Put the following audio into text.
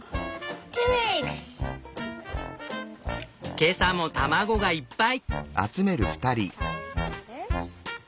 今朝も卵がいっぱい！